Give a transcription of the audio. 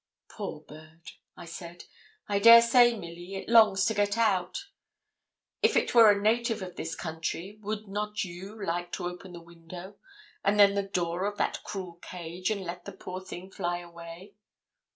'Poor bird!' I said. 'I dare say, Milly, it longs to get out. If it were a native of this country, would not you like to open the window, and then the door of that cruel cage, and let the poor thing fly away?'